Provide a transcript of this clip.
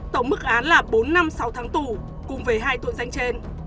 tổng mức án là bốn năm sáu tháng tù cùng với hai tội danh trên